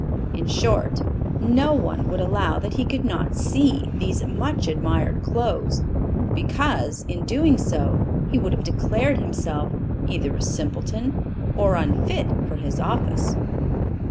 in short, no one would allow that he could not see these much admired clothes; because, in doing so, he would have declared himself either a simpleton or unfit for his office.